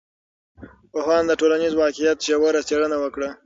پوهانو د ټولنیز واقعیت ژوره څېړنه وکړه.